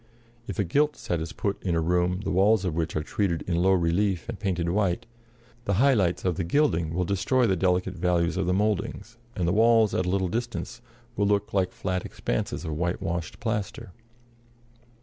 If a gilt set is put in a room the walls of which are treated in low relief and painted white, the high lights of the gilding will destroy the delicate values of the mouldings, and the walls, at a little distance, will look like flat expanses of whitewashed plaster.